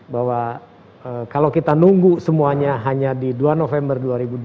bahwa kalau kita nunggu semuanya hanya di dua november dua ribu dua puluh